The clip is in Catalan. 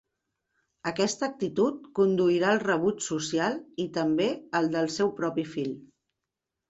Aquesta actitud conduirà al rebuig social i també al del seu propi fill.